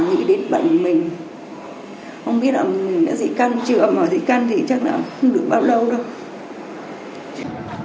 không biết là mình đã dị căn chưa mà dị căn thì chắc là không được bao lâu đâu